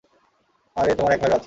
আরে তোমার এক ভাইও আছে।